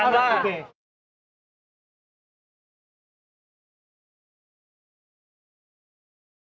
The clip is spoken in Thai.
โน้ท